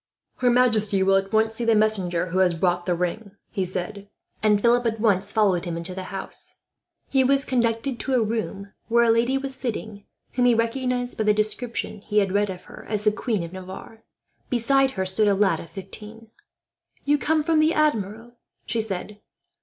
"Her majesty will at once see the messenger who has brought the ring," he said, and Philip at once followed him into the house. He was conducted to a room where a lady was sitting whom he recognized, by the descriptions he had read of her, as the Queen of Navarre. Beside her stood a lad of fifteen. "You come from the Admiral!" she said.